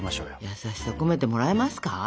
優しさ込めてもらえますか？